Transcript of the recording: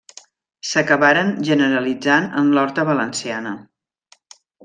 S’acabaren generalitzant en l’horta valenciana.